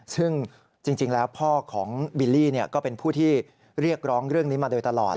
ซึ่งจริงแล้วพ่อของบิลลี่ก็เป็นผู้ที่เรียกร้องเรื่องนี้มาโดยตลอด